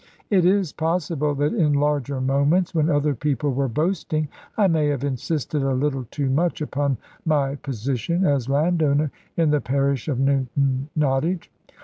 It is possible that in larger moments, when other people were boasting, I may have insisted a little too much upon my position as landowner in the parish of Newton Nottage.